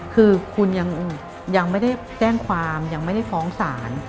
คือคุณยังไม่ได้แจ้งความยังไม่ได้ฟ้องศาล